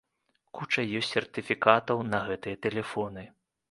Куча ёсць сертыфікатаў на гэтыя тэлефоны.